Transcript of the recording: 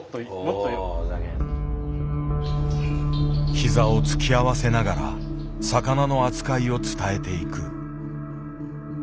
ひざを突き合わせながら魚の扱いを伝えていく。